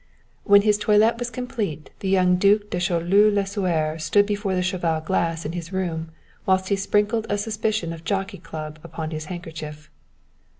When his toilet was complete, the young Duc de Choleaux Lasuer stood before the cheval glass in his room whilst he sprinkled a suspicion of Jockey Club upon his handkerchief.